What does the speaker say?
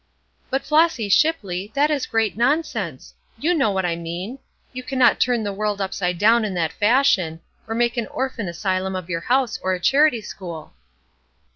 "But, Flossy Shipley, that is great nonsense! You know what I mean. You cannot turn the world upside down in that fashion, or make an orphan asylum of your house or a charity school."